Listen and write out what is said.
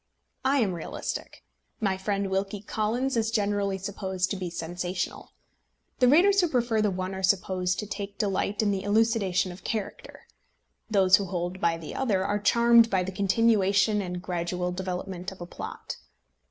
I am realistic. My friend Wilkie Collins is generally supposed to be sensational. The readers who prefer the one are supposed to take delight in the elucidation of character. Those who hold by the other are charmed by the continuation and gradual development of a plot.